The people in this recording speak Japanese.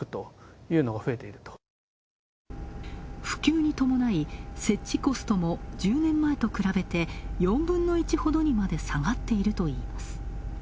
普及に伴い、設置コストも１０年前と比べて４分の１ほどにまで下がっているといいます。